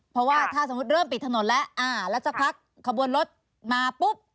เพราะว่าถ้าสมมุติเริ่มปิดถนนแล้วแล้วสักพักขบวนรถมาปุ๊บ